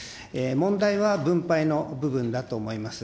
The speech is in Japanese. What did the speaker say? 問題は分配の部分だと思います。